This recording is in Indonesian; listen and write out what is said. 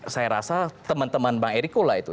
saya rasa teman teman bang eriko lah itu